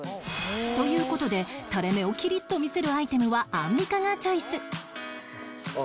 という事でタレ目をキリッと見せるアイテムはアンミカがチョイス